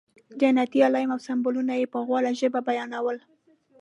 جنتي علایم او سمبولونه یې په غوړه ژبه بیانول.